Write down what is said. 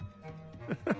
フフフッ。